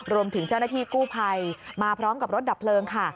รวมถึงเจ้าหน้าที่กู้ภัยมาพร้อมกับรถดับเพลิงค่ะ